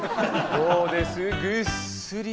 どうです？